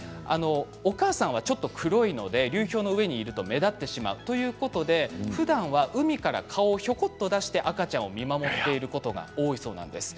お母さんはちょっと黒いので流氷の上にいると目立ってしまうということでふだんは海から顔をひょこっと出して赤ちゃんを見守っていることが多いそうなんです。